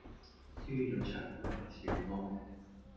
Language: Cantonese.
輸左場波咪算囉